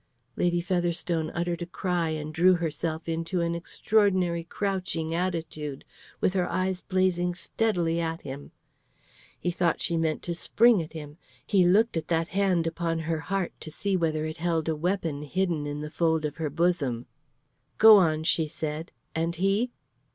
Lady Featherstone uttered a cry and drew herself into an extraordinary crouching attitude, with her eyes blazing steadily at him. He thought she meant to spring at him; he looked at that hand upon her heart to see whether it held a weapon hidden in the fold of her bosom. "Go on," she said; "and he?"